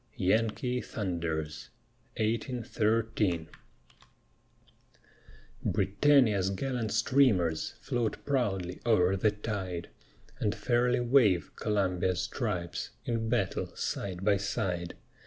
YANKEE THUNDERS Britannia's gallant streamers Float proudly o'er the tide, And fairly wave Columbia's stripes, In battle side by side.